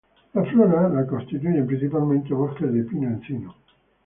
La flora la constituyen principalmente: bosques de pino-encino.